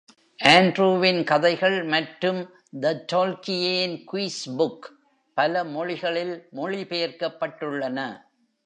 ஆண்ட்ரூவின் கதைகள் மற்றும் " The Tolkien Quiz Book " பல மொழிகளில் மொழிபெயர்க்கப்பட்டுள்ளன.